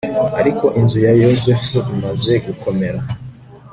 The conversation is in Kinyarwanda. ariko inzu ya yozefu imaze gukomera